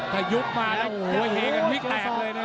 ถ้ายุบมาแล้วเฮกกันพลิกแตกเลยน่ะ